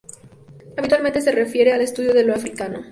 Habitualmente se refieren al estudio de lo africano.